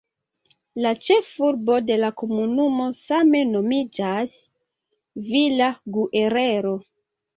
La ĉefurbo de la komunumo same nomiĝas "Villa Guerrero".